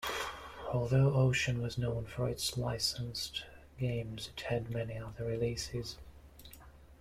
Although Ocean was known for its licensed games, it had many other releases.